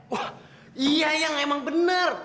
wah iya yang emang bener